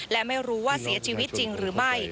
และไม่รู้ว่าเสียชีวิตจริงหรือไม่